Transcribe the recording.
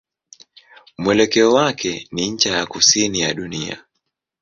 Mwelekeo wake ni ncha ya kusini ya dunia.